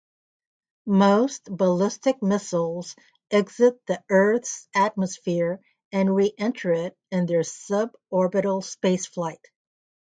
Most ballistic missiles exit the Earth's atmosphere and re-enter it in their sub-orbital spaceflight.